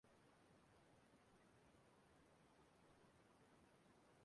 tupu o nwee ike igbuchi nke nna ya